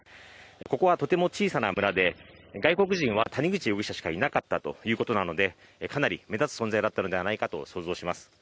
ここはとても小さな村で、外国人は谷口容疑者しかいなかったということなのでかなり目立つ存在だったのではないかと想像します。